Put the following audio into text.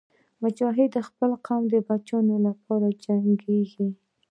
مجاهد د خپل قوم د بچیانو لپاره جنګېږي.